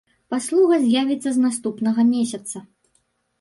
Паслуга з'явіцца з наступнага месяца.